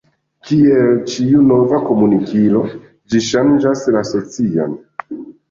Kiel ĉiu nova komunikilo ĝi ŝanĝas la socion.